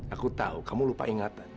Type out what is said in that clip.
aku tahu kamu lupa ingatan